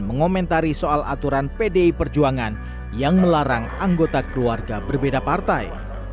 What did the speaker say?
mengomentari soal aturan pdi perjuangan yang melarang anggota keluarga berbeda partai